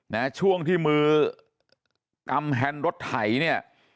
ในช่วงที่มือกรรมแห่นรถไถเนี่ย